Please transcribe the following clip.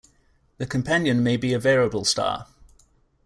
The companion may be a variable star.